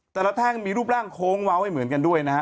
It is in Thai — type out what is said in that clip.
แท่งมีรูปร่างโค้งเว้าไม่เหมือนกันด้วยนะฮะ